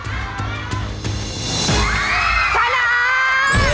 ชนะ